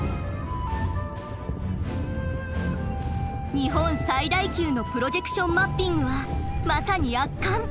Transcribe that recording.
日本最大級のプロジェクションマッピングはまさに圧巻！